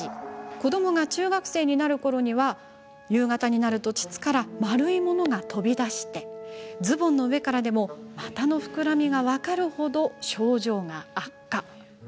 子どもが中学生になるころには夕方になると膣から丸いものが飛び出してズボンの上からでも股の膨らみが分かるほど症状が悪化。